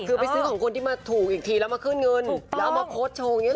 คือไปซื้อของคนที่มาถูกอีกทีแล้วมาขึ้นเงินแล้วเอามาโพสต์โชว์อย่างนี้